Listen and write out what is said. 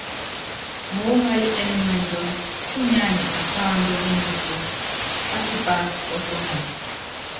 Muúŋayɔ ɛnúmɛndɔ kúnyánɛ akáandɔ ményiku, pátípa pɔtɔŋɔ.